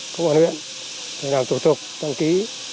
công an huyện phải làm thủ tục đăng ký